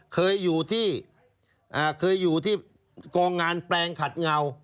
เคยอยู่ที่กลงงานแปลงขัดเงา